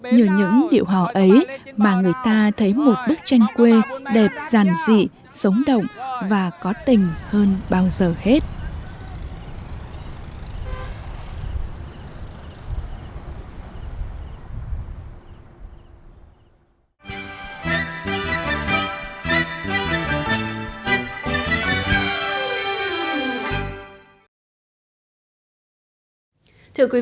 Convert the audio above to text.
nhờ những điệu hòa ấy mà người ta thấy một bức tranh quê đẹp giàn dị sống động và có tình hơn bao giờ hết